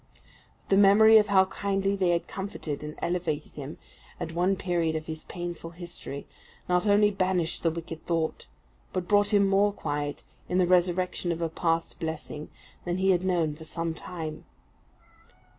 But the memory of how kindly they had comforted and elevated him, at one period of his painful history, not only banished the wicked thought, but brought him more quiet, in the resurrection of a past blessing, than he had known for some time.